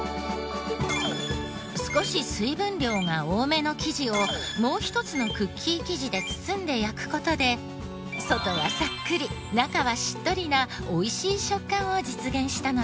少し水分量が多めの生地をもう一つのクッキー生地で包んで焼く事で外はサックリ中はしっとりなおいしい食感を実現したのです。